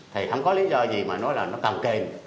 thì không có lý do gì mà nói là nó cầm kèm